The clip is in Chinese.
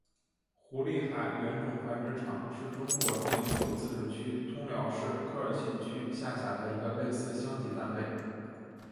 胡力海原种繁殖场是中国内蒙古自治区通辽市科尔沁区下辖的一个类似乡级单位。